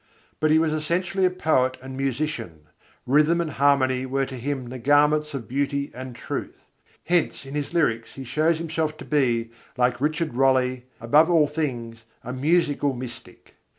But he was essentially a poet and musician: rhythm and harmony were to him the garments of beauty and truth. Hence in his lyrics he shows himself to be, like Richard Rolle, above all things a musical mystic.